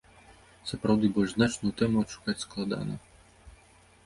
Сапраўды, больш значную тэму адшукаць складана.